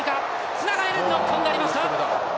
つながれるノックオンになりました。